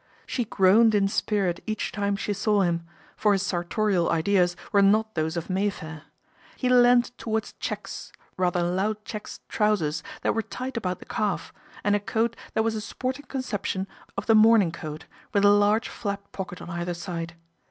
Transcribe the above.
She groaned in spirit each time she saw him, for his sartorial ideas were not those of Mayfair. He leaned towards checks, rather loud checks trousers that were tight about the calf, and a coat that was a sporting conception of the morning coat, with a large flapped pocket on either side.